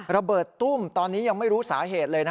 ระเบิดตุ้มตอนนี้ยังไม่รู้สาเหตุเลย